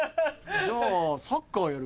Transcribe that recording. じゃあサッカーやるわ。